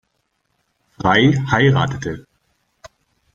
Frei heiratete.